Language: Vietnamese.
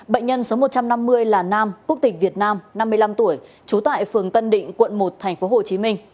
bệnh nhân số một trăm năm mươi là nam quốc tịch việt nam năm mươi năm tuổi trú tại phường tân định quận một tp hcm